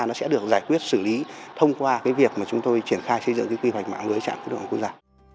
nó sẽ được giải quyết xử lý thông qua cái việc mà chúng tôi triển khai xây dựng cái quy hoạch mạng lưới trạm khí độ quốc gia